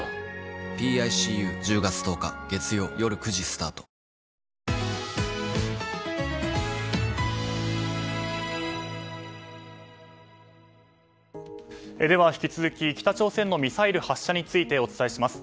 サントリー「セサミン」では、引き続き北朝鮮のミサイル発射についてお伝えします。